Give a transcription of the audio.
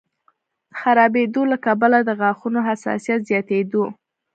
خرابېدو له کبله د غاښونو حساسیت زیاتېدو